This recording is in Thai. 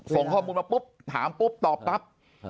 ส่งข้อมูลมาถามตอบปรับ